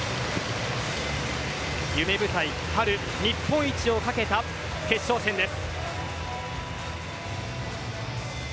夢舞台、春、日本一をかけた決勝戦です。